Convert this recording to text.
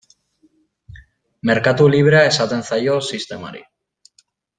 Merkatu librea esaten zaio sistemari.